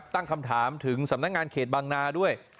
ตั้งคำถามถึงสำนักงานเขตบางนาด้วย